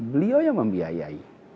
beliau yang membiayai